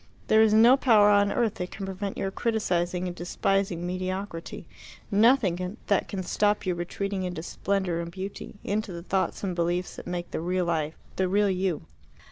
There is no power on earth that can prevent your criticizing and despising mediocrity nothing that can stop you retreating into splendour and beauty into the thoughts and beliefs that make the real life the real you."